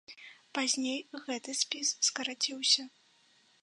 Пазней гэты спіс скараціўся.